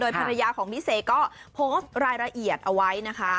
ภรรยาของพี่เสกก็โพสต์รายละเอียดเอาไว้นะคะ